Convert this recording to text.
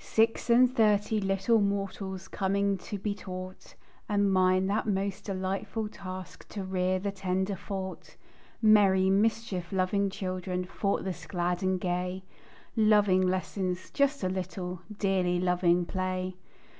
Six and thirty little mortals Coming to be taught; And mine that most "delightful task To rear the tender thought." Merry, mischief loving children, Thoughtless, glad and gay, Loving lessons "just a little," Dearly loving play.